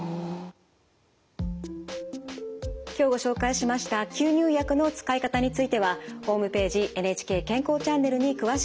今日ご紹介しました吸入薬の使い方についてはホームページ「ＮＨＫ健康チャンネル」に詳しく掲載されています。